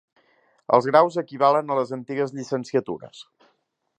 Els graus equivalen a les antigues llicenciatures.